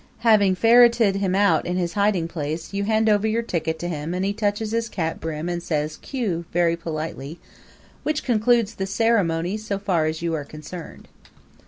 Having ferreted him out in his hiding place you hand over your ticket to him and he touches his cap brim and says "Kew" very politely, which concludes the ceremony so far as you are concerned.